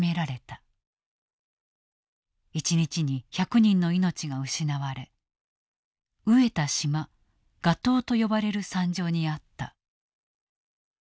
一日に１００人の命が失われ餓えた島餓島と呼ばれる惨状にあった。